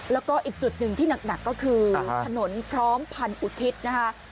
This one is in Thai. แล้วก็อีกจุดหนึ่งที่หนักก็คือถนนพร้อมพันธ์อุทิศนะคะ